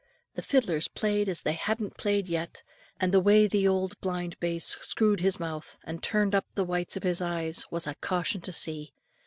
The fiddlers played as they hadn't played yet; and the way the old blind bass screwed his mouth, and turned up the whites of his eyes was a caution to see.